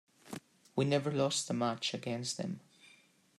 We never lost a match against them.